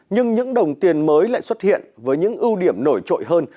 nhưng những đồng tiền mới lại xuất hiện với những ưu điểm nổi trội hơn